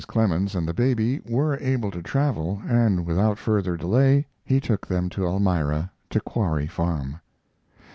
Clemens and the baby were able to travel, and without further delay he took them to Elmira, to Quarry Farm.